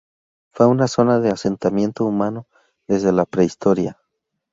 Fue una zona de asentamiento humano desde la Prehistoria.